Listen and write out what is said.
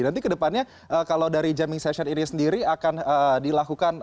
nanti kedepannya kalau dari jamming session ini sendiri akan dilakukan